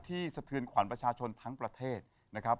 สะเทือนขวัญประชาชนทั้งประเทศนะครับ